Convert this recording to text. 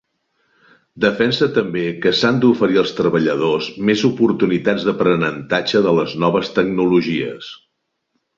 Defensa també que s'han d'oferir als treballadors més oportunitats d'aprenentatge de les noves tecnologies.